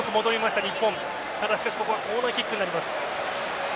ただ、しかしここはコーナーキックになります。